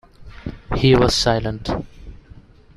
He was silent.